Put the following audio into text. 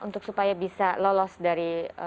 untuk supaya bisa lolos dari